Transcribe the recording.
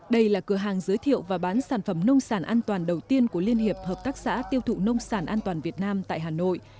đây là cửa hàng giới thiệu và bán sản phẩm nông sản an toàn đầu tiên của liên hiệp hợp tác xã tiêu thụ nông sản an toàn việt nam tại hà nội